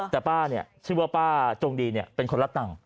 แต่ป้าเนี่ยชื่อว่าป้าจงดีเนี่ยเป็นคนรับตังค์